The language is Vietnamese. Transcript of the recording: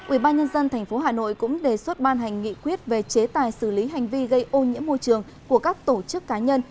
ubnd tp hà nội cũng đề xuất ban hành nghị quyết về chế tài xử lý hành vi gây ô nhiễm môi trường của các tổ chức cá nhân